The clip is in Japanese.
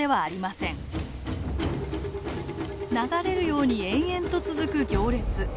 流れるように延々と続く行列。